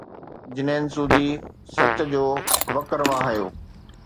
جــنـِـين ســودي ســچ، جو وکــر وهايو